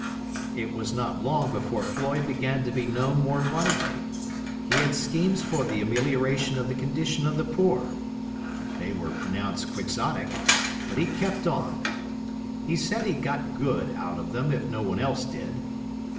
It was not long before Floyd began to be known more widely. He had schemes for the amelioration of the condition of the poor. They were pronounced quixotic; but he kept on. He said he got good out of them if no one else did.